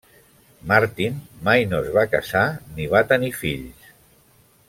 Martin mai no es va casar ni va tenir fills.